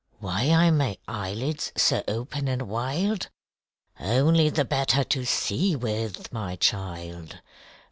"Why are my eyelids so open and wild?" Only the better to see with, my child!